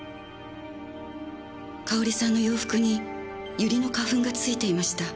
かおりさんの洋服にユリの花粉が付いていました。